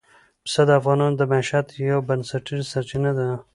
پسه د افغانانو د معیشت یوه بنسټیزه سرچینه ده.